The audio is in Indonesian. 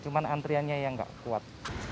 cuma antriannya enggak kuat